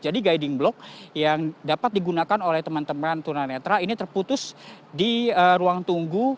jadi guiding block yang dapat digunakan oleh teman teman tunanetra ini terputus di ruang tunggu